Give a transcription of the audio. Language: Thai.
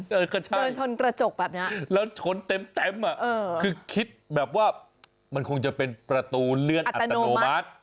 เดินชนกระจกแบบนี้แล้วชนเต็มอ่ะคือคิดแบบว่ามันคงจะเป็นประตูเลื่อนอัตโนมัติ